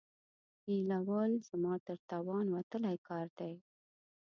ایېلول زما تر توان وتلی کار دی.